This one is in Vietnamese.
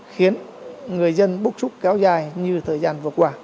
khiến người dân bốc súc kéo dài như thế này